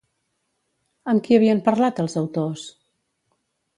Amb qui havien parlat els autors?